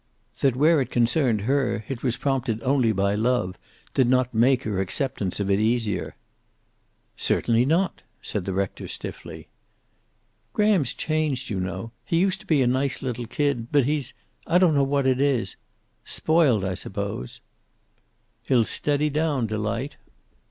That, where it concerned her, it was prompted only by love did not make her acceptance of it easier. "Certainly not," said the rector, stiffly. "Graham's changed, you know. He used to be a nice little kid. But he's I don't know what it is. Spoiled, I suppose." "He'll steady down, Delight."